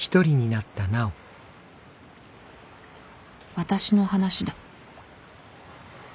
私の話だ。